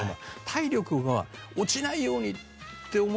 体力は落ちないようにって思って走り始めた。